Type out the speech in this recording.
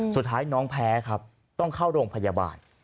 สุดท้ายน้องแพ้ครับต้องเข้าโรงพยาบาล